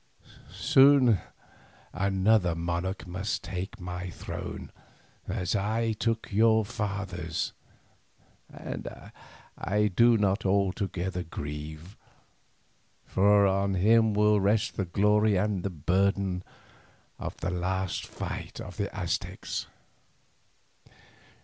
Soon another monarch must take my throne, as I took your father's, and I do not altogether grieve, for on him will rest the glory and the burden of the last fight of the Aztecs.